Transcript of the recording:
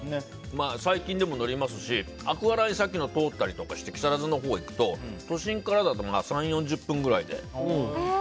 最近でも乗りますしアクアライン通ったりして木更津のほう行くと都心からだと３０４０分ぐらいで。